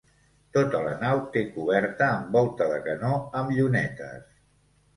Tota la nau té coberta amb volta de canó amb llunetes.